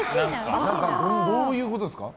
どういうことですか？